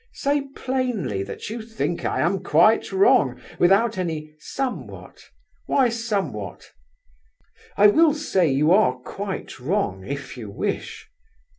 Say plainly that you think that I am quite wrong, without any 'somewhat'! Why 'somewhat'?" "I will say you are quite wrong, if you wish."